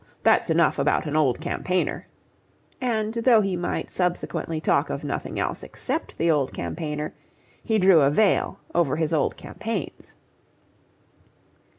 that's enough about an old campaigner"; and though he might subsequently talk of nothing else except the old campaigner, he drew a veil over his old campaigns.